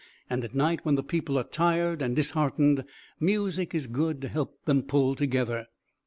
And at night, when the people are tired and disheartened, music is good to help them pull together."